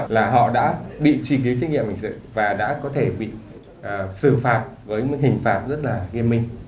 là họ đã bị trì ký trách nhiệm hình sự và đã có thể bị xử phạt với mức hình phạt rất là nghiêm minh